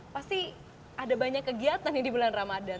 pasti ada banyak kegiatan di bulan ramadan